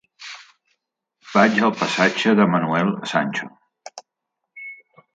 Vaig al passatge de Manuel Sancho.